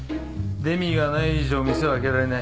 デミがない以上店は開けられない。